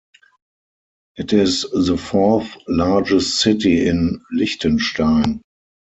It is the fourth-largest city in Liechtenstein.